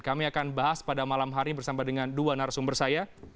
kami akan bahas pada malam hari bersama dengan dua narasumber saya